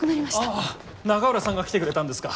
ああ永浦さんが来てくれたんですか。